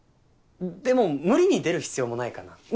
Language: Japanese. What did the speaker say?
でも無理に出る必要もないかな。